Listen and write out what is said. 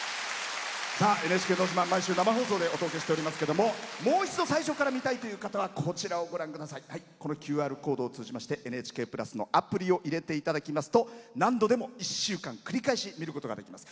「ＮＨＫのど自慢」毎週生放送でお届けしておりますけれどももう一度、最初から見たいという方はこのＱＲコードを通じまして「ＮＨＫプラス」のアプリを入れていただきますと何度でも１週間繰り返し、見ることができます。